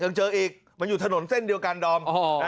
ยังเจออีกมันอยู่ถนนเส้นเดียวกันดอม